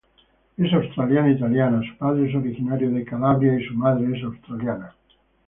Es australiana italiana, su padre es originario de Calabria y su madre es australiana.